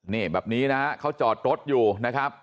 นี่แบบนี้นะฮะเขาจอดรถอยู่นะครับ